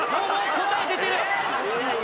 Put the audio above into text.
答え出てる！